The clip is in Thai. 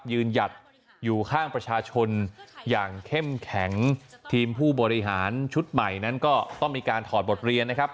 หยัดอยู่ข้างประชาชนอย่างเข้มแข็งทีมผู้บริหารชุดใหม่นั้นก็ต้องมีการถอดบทเรียนนะครับ